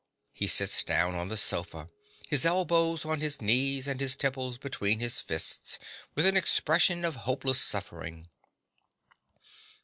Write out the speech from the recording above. (He sits down on the sofa, his elbows on his knees and his temples between his fists, with an expression of hopeless suffering.)